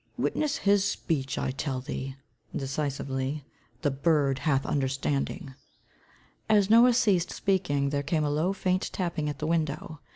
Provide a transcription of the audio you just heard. Witness his speech, I tell thee," decisively, "the bird hath understanding." As Noah ceased speaking, there came a low, faint tapping at the window.